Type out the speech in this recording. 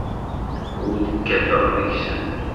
Ur d-kkateɣ deg-sen.